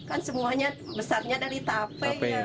kan semuanya besarnya dari tape ya